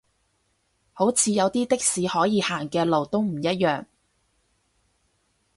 好似有啲的士可以行嘅路都唔一樣